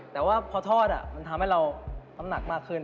แต่ว่าพอทอดมันทำให้เราน้ำหนักมากขึ้น